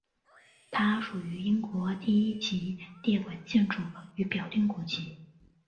它属于英国第一级列管建筑与表定古迹。